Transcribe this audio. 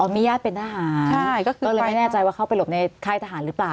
มีญาติเป็นทหารก็เลยไม่แน่ใจว่าเข้าไปหลบในค่ายทหารหรือเปล่า